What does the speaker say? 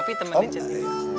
pak fi temenin cici